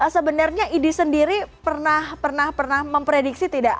sebenarnya idi sendiri pernah memprediksi tidak